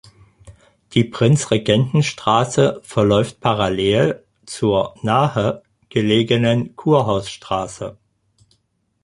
Die Prinzregentenstraße verläuft parallel zur nahe gelegenen Kurhausstraße.